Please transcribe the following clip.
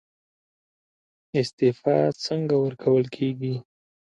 استعفا څنګه ورکول کیږي؟